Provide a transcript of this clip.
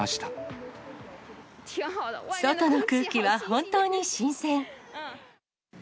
外の空気は本当に新鮮。